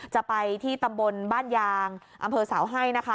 จะไปที่ตำบลบ้านยางอำเภอเสาให้นะคะ